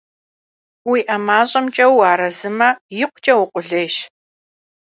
УиӀэ мащӀэмкӀэ уарэзымэ, икъукӀэ укъулейщ.